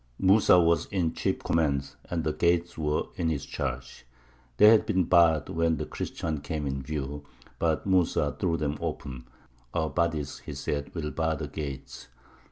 Mūsa was in chief command, and the gates were in his charge. They had been barred when the Christians came in view; but Mūsa threw them open. "Our bodies," he said, "will bar the gates."